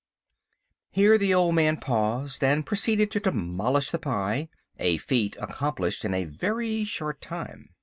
Here the old man paused, and proceeded to demolish the pie a feat accomplished in a very short time.